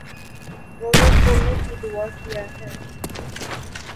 روزہ کھولنے کی دعا کیا ہے